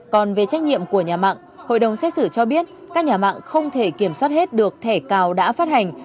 còn về trách nhiệm của nhà mạng hội đồng xét xử cho biết các nhà mạng không thể kiểm soát hết được thẻ cào đã phát hành